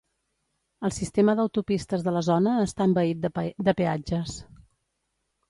El sistema d'autopistes de la zona està envaït de peatges.